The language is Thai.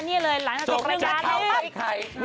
นี่เลยหลังจากกำลังงานอีก